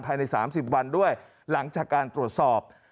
ภายใน๓๐วันด้วยหลังจากการตรวจสอบ